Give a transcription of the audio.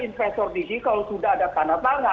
kalau sudah ada investor di sini kalau sudah ada panas